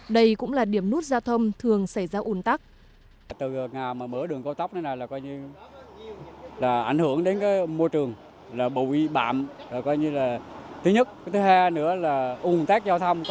đây cũng là điểm nút giao thông thường xảy ra un tắc